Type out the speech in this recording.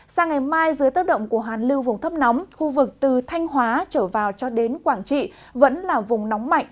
sang ngày mai dưới tớp động của hàn lưu vùng thấp nóng khu vực từ thanh hóa trở vào cho đến quảng trị vẫn là vùng nóng mạnh